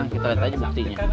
kita liat aja buktinya